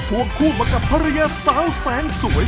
วงคู่มากับภรรยาสาวแสนสวย